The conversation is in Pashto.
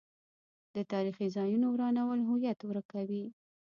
د تاریخي ځایونو ورانول هویت ورکوي.